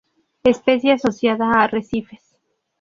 Especie asociada a arrecifes.